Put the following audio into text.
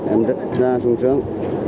em rất xinh xương